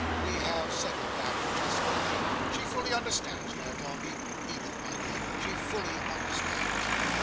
We have settled that, just now. She fully understands, dear Dombey. Edith, my dear,—she fully understands."